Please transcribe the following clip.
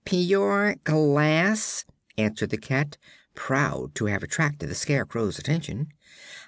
"Pure glass," answered the cat, proud to have attracted the Scarecrow's attention.